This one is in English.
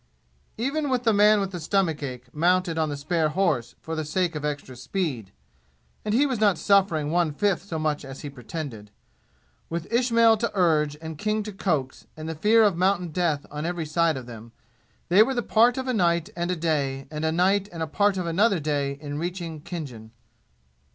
[* Slowly.] Even with the man with the stomach ache mounted on the spare horse for the sake of extra speed (and he was not suffering one fifth so much as he pretended); with Ismail to urge, and King to coax, and the fear of mountain death on every side of them, they were the part of a night and a day and a night and a part of another day in reaching Khinjan.